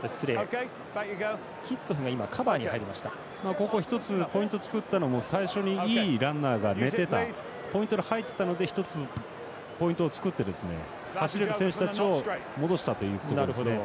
ここ一つ、ポイント作ったのも最初にいいランナーがポイントに入っていたので１つポイントを作って走れる選手たちを戻したということですね。